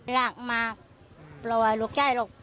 หลากมามาบอกหนูลูกชาย